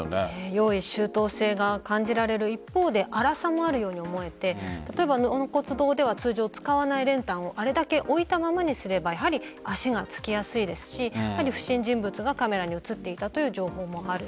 用意周到性が感じられる一方で粗さもあるように思えて例えば納骨堂では通常使わない練炭をあれだけ置いたままにすればやはり足がつきやすいですし不審人物がカメラに映っていたという情報もあると。